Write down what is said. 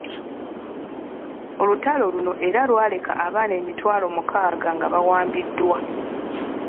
Olutalo luno era lwaleka abaana emitwalo mukaaga nga bawambiddwa.